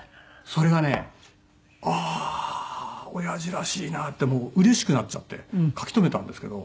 それがねああおやじらしいなってもううれしくなっちゃって書き留めたんですけど。